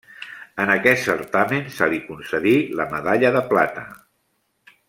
En aquest certamen se li concedí la medalla de plata.